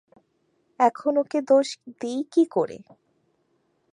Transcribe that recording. এখন ওকে দোষ দিই কী করে।